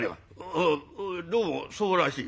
「おおどうもそうらしい」。